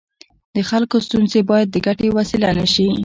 د خلکو ستونزې باید د ګټې وسیله نه شي.